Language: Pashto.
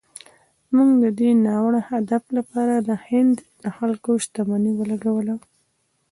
موږ د دې ناوړه هدف لپاره د هند د خلکو شتمني ولګوله.